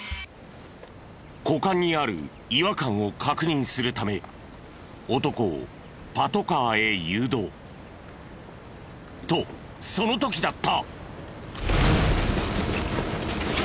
股間にある違和感を確認するため男をパトカーへ誘導。とその時だった！